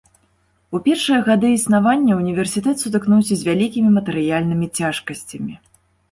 У першыя гады існавання ўніверсітэт сутыкнуўся з вялікімі матэрыяльнымі цяжкасцямі.